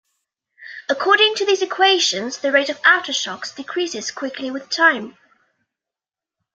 According to these equations, the rate of aftershocks decreases quickly with time.